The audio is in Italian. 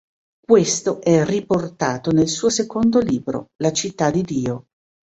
Questo è riportato nel suo secondo libro, "La città di Dio".